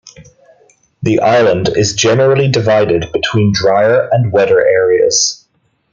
The island is generally divided between drier and wetter areas.